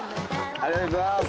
ありがとうございます。